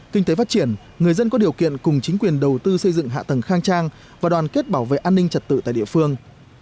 kinh tế phát triển người dân có điều kiện cùng chính quyền đầu tư xây dựng hạ tầng khang trang và đoàn kết bảo vệ an ninh trật tự tại địa phương